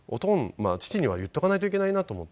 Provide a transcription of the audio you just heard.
父には言っておかないといけないなと思って。